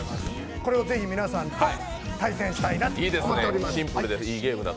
これをぜひ皆さんと対戦したいなと思っております。